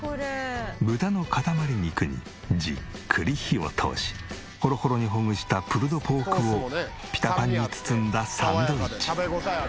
豚の塊肉にじっくり火を通しホロホロにほぐしたプルドポークをピタパンに包んだサンドイッチ。